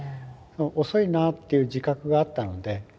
遅いなっていう自覚があったので